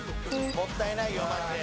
もったいないよマジで。